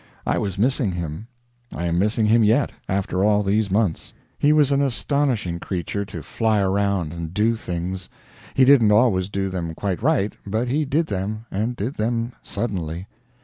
I was missing him; I am missing him yet, after all these months. He was an astonishing creature to fly around and do things. He didn't always do them quite right, but he did them, and did them suddenly.